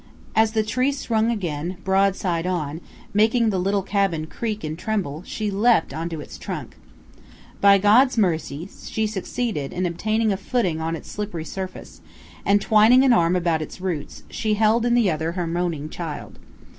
As the tree swung again, broadside on, making the little cabin creak and tremble, she leaped on to its trunk. By God's mercy she succeeded in obtaining a footing on its slippery surface, and, twining an arm about its roots, she held in the other her moaning child.